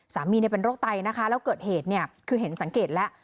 สามีเป็นโรคไตนะคะแล้วเกิดเหตุคือเห็นสังเกตแล้ว